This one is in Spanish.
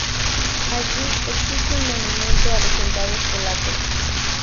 Allí existe un monumento a los soldados polacos.